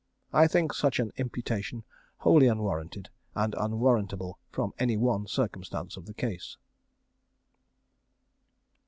I think such an imputation wholly unwarranted and unwarrantable from any one circumstance of the case.